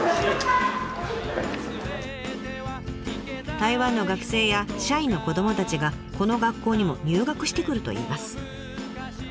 台湾の学生や社員の子どもたちがこの学校にも入学してくるといいます。